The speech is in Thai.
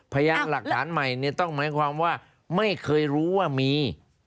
พยานหลักฐานใหม่เนี่ยต้องหมายความว่าไม่เคยรู้ว่ามี